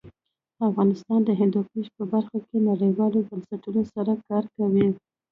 افغانستان د هندوکش په برخه کې نړیوالو بنسټونو سره کار کوي.